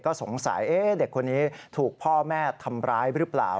ก็สงสัยเด็กคนนี้ถูกพ่อแม่ทำร้ายหรือเปล่า